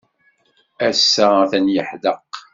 Ass-a, atan yeḥdeq.